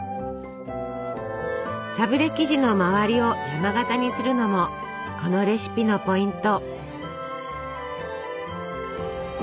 サブレ生地の周りを山型にするのもこのレシピのポイント。